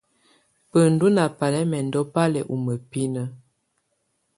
Bǝndù ná balɛmɛndɔ́ bá lɛ́ u mǝ́binǝ.